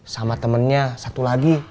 sama temennya satu lagi